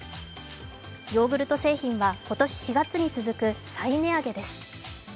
ヨーグルト製品は、今年４月に続く再値上げです。